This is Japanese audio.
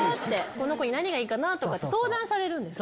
この子に何がいいかなとかって相談されるんですか？